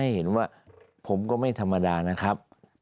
แต่ได้ยินจากคนอื่นแต่ได้ยินจากคนอื่น